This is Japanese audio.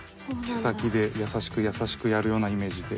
毛先で優しく優しくやるようなイメージで。